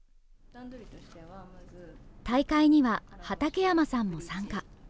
大会には畠山さんも参加。